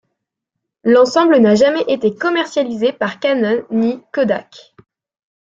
L'ensemble n'a jamais été commercialisé par Canon ni par Kodak.